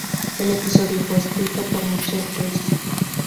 El episodio fue escrito por Michael Price.